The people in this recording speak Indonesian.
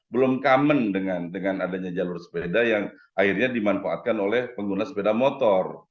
belum common dengan adanya jalur sepeda yang akhirnya dimanfaatkan oleh pengguna sepeda motor